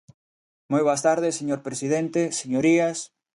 Moi boas tardes, señor presidente, señorías.